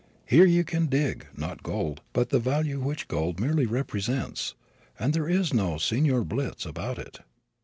Here you can dig, not gold, but the value which gold merely represents; and there is no Signor Blitz about it.